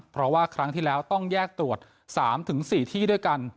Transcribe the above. เพราะว่าครั้งที่แล้วต้องแยกตรวจ๓๔ที่ด้วยกัน